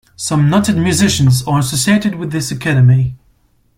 Some noted musicians are associated with this academy.